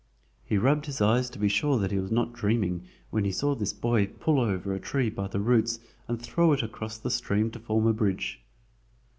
He rubbed his eyes to be sure that he was not dreaming when he saw this boy pull over a tree by the roots and throw it across the stream to form a bridge.